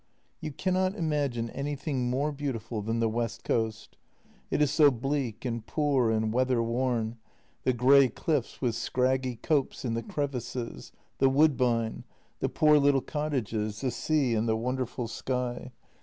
You cannot imagine anything more beautiful than the west coast ; it is so bleak and poor and weather worn — the grey cliffs with scraggy copse in the crevices, the woodbine, the poor little cottages, the sea, and the wonderful sky.